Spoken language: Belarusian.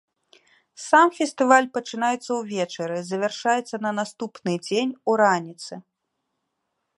Сам фестываль пачынаецца ўвечары, завяршаецца на наступны дзень у раніцы.